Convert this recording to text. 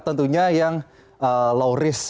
tentunya yang low risk